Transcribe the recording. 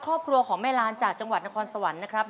ครอบครัวของแม่ลานจากจังหวัดนครสวรรค์นะครับ